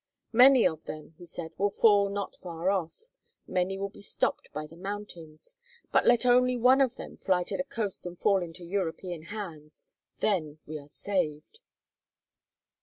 "Many of them," he said, "will fall not far off; many will be stopped by the mountains, but let only one of them fly to the coast and fall into European hands then we are saved."